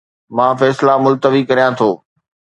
مان فيصلا ملتوي ڪريان ٿو